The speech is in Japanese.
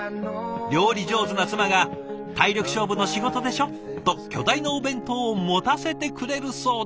料理上手な妻が「体力勝負の仕事でしょ？」と巨大なお弁当を持たせてくれるそうで。